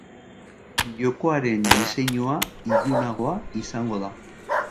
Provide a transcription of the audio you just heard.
Jokoaren diseinua ilunagoa izango da.